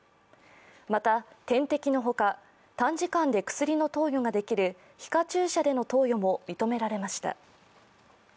また、点滴のほか短時間で薬の投与ができる皮下注射での投与も認められました。